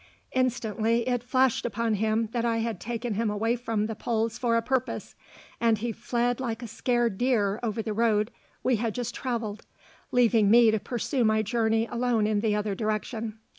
Instantly it flashed upon him that I had taken him away from the polls for a purpose, and he fled like a scared deer over the road we had just travelled, leaving me to pursue my journey alone in the other direction.